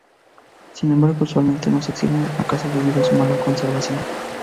Sin embargo, usualmente no se exhiben, acaso debido a su mala conservación.